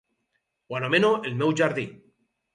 Ho anomeno el meu jardí.